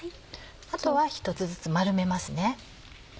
あとは１つずつ丸めますね。